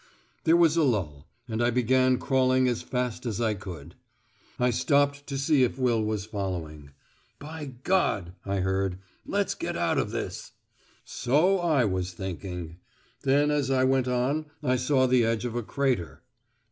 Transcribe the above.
There was a lull, and I began crawling as fast as I could. I stopped to see if Will was following. "By God," I heard, "let's get out of this." So I was thinking! Then as I went on I saw the edge of a crater.